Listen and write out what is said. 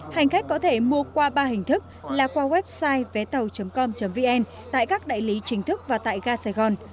hành khách có thể mua qua ba hình thức là qua website vé tàu com vn tại các đại lý chính thức và tại ga sài gòn